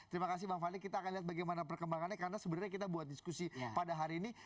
terima kasih bang fadli kita akan lihat bagaimana perkembangannya karena sebenarnya kita buat diskusi pada hari ini